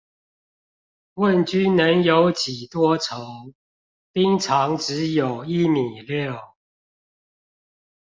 問君能有幾多愁，兵長只有一米六